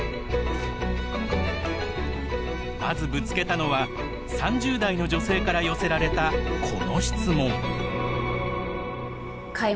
まずぶつけたのは３０代の女性から寄せられたこの質問。